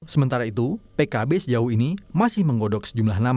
sementara itu pkb sejauh ini masih menggodok sejumlah nama